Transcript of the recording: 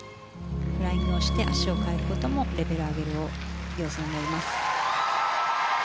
フライングをして足を換えることもレベルを上げる要素になります。